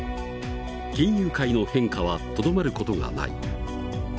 金融界の変化はとどまる事がない。